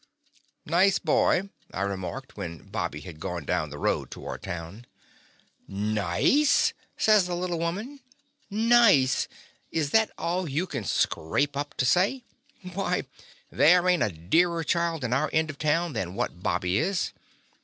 "Nice boy," I remarked, when The Confessions of a Daddy Bobby had gone down the road toward town. "Nice!'' says the little woman. "Nice ! Is that all you can scrape up to say? Why, there ain't a dearer child in our end of town than what Bobby is.